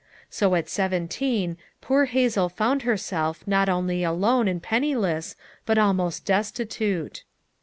So at seventeen poor Hazel found herself not only alone and penni less, but almost destitute.